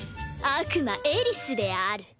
悪魔エリスである。